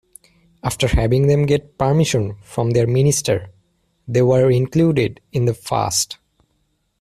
After having them get permission from their minister they were included in the fast.